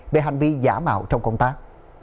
về hành vi giả mạo trong công tác